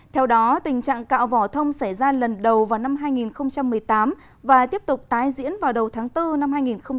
theo đó tình trạng cạo vỏ thông xảy ra lần đầu vào năm hai nghìn một mươi tám và tiếp tục tái diễn vào đầu tháng bốn năm hai nghìn một mươi chín